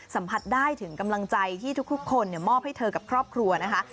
สัมผัสได้ถึงกำลังใจที่ทุกคนมอบให้เธอกับครอบครัวนะคะ